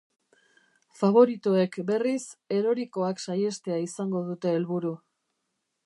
Faboritoek, berriz, erorikoak saihestea izango dute helburu.